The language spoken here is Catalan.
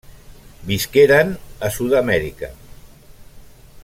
Visqueren a Sud-amèrica.